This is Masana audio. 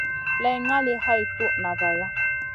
Lay ngali hay toud na vaya.